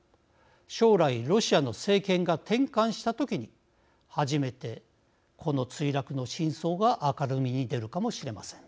将来、ロシアの政権が転換した時に初めて、この墜落の真相が明るみに出るかもしれません。